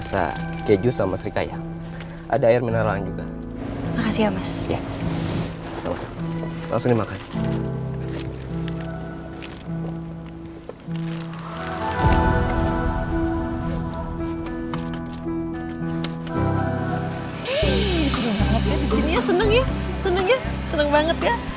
seru banget ya disini ya seneng ya seneng ya seneng banget ya